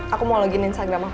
aku mau login instagram aku